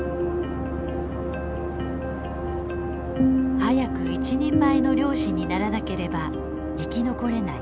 早く一人前の漁師にならなければ生き残れない。